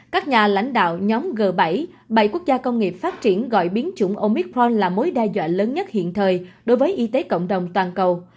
các nhà lãnh đạo nhóm g bảy bảy quốc gia công nghiệp phát triển gọi biến chủng omitforn là mối đe dọa lớn nhất hiện thời đối với y tế cộng đồng toàn cầu